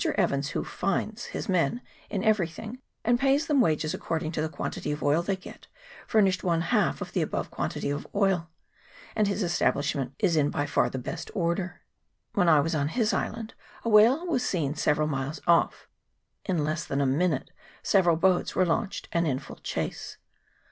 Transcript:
Evans, who finds his men in everything, and pays them wages according to the quantity of oil they get, furnished one half of the above quantity of oil, and his establishment is in by far the best order. When I was on his island a whale was seen several miles off: in less than a minute several boats were launched and in full chase.